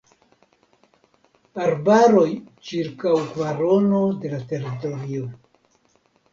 Arbaroj ĉirkaŭ kvarono de la teritorio.